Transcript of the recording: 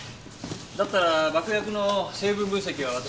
だったら爆薬の成分分析は私が。